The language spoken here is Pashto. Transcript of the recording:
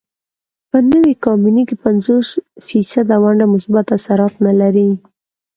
په نوې کابینې کې پنځوس فیصده ونډه مثبت اثرات نه لري.